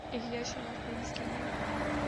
ایک ’یش راج فلمز‘ کی نئی